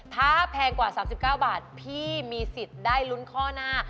ถ้าแพงกว่า๓๙บาทพี่มีสิทธิ์ได้ลุ้นข้อหน้า